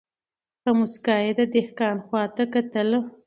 په موسکا یې د دهقان خواته کتله